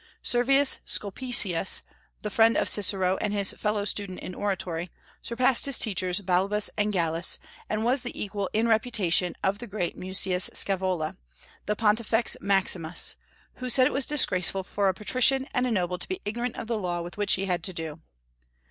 Servius Sulpicius, the friend of Cicero and his fellow student in oratory, surpassed his teachers Balbus and Gallus, and was the equal in reputation of the great Mucius Scaevola, the Pontifex Maximus, who said it was disgraceful for a patrician and a noble to be ignorant of the law with which he had to do.